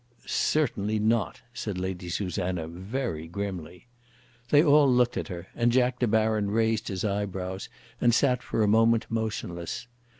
"Certainly not," said Lady Susanna, very grimly. They all looked at her, and Jack De Baron raised his eyebrows, and sat for a moment motionless.